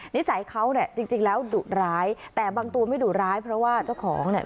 นิสัยเขาเนี่ยจริงแล้วดุร้ายแต่บางตัวไม่ดุร้ายเพราะว่าเจ้าของเนี่ย